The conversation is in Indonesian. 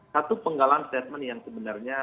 satu penggalan statement yang sebenarnya